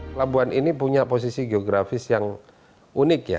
pelabuhan ini punya posisi geografis yang unik ya